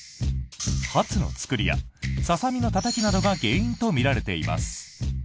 ハツの作りやささみのたたきなどが原因とみられています。